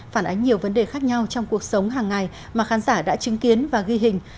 phản ánh nhiều vấn đề khác nhau trong cuộc sống hàng ngày mà khán giả đã chứng kiến và ghi hình